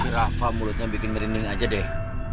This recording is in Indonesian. rafa mulutnya bikin merinding aja deh